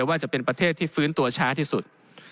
ว่าจะเป็นประเทศที่ฟื้นตัวช้าที่สุด